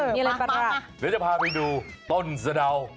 เดี๋ยวจะพาไปดูต้นสะไดาว